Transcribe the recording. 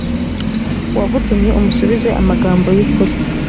uwagutumye umusubize amagambo y ukuri